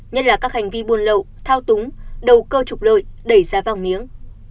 nhất là các hành vi buôn lậu thao túng đầu cơ trục lợi đẩy giá vàng miếng